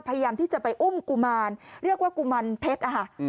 พยายามที่จะไปอุ้มกุมารเรียกว่ากุมารเพชรอะค่ะ